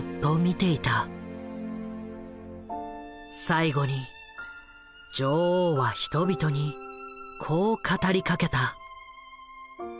最後に女王は人々にこう語りかけた。